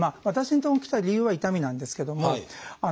私のとこに来た理由は痛みなんですけども。